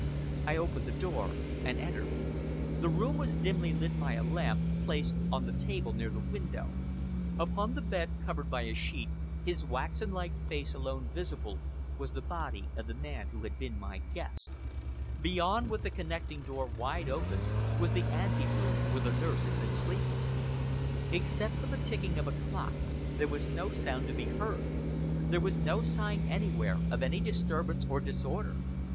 I opened the door and entered. The room was dimly lit by a lamp, placed on the table near the window. Upon the bed, covered by a sheet, his waxen like face alone visible, was the body of the man who had been my guest. Beyond, with the connecting door wide open, was the anteroom where the nurse had been sleeping. Except for the ticking of a clock, there was no sound to be heard; there was no sign anywhere of any disturbance or disorder.